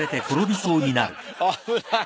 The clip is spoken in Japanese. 危ない！